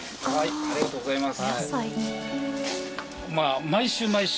ありがとうございます。